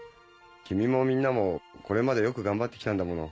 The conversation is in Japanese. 君もみんなもこれまでよく頑張って来たんだもの。